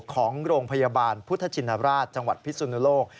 ของโรงพยาบาลพุทธชินราชจังหวัดพิสุนโลก